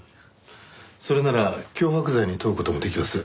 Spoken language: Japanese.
それなら脅迫罪に問う事もできます。